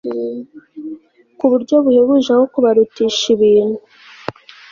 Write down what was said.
ku buryo buhebuje aho kubarutisha ibintu